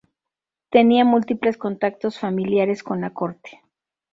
Tenía múltiples contactos familiares con la Corte.